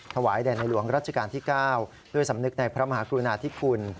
ถวายแด่ในหลวงรัชกาลที่๙ด้วยสำนึกในพระมหากรุณาธิคุณ